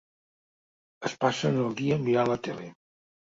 Es passen el dia mirant la tele.